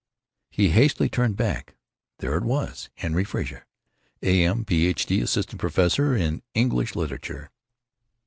He hastily turned back. There it was: "Henry Frazer, A.M., Ph.D., Assistant Professor in English Literature."